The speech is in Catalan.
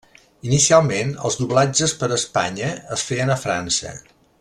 Inicialment els doblatges per a Espanya es feien a França.